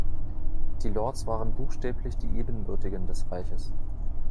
Die Lords waren buchstäblich die Ebenbürtigen des Reiches.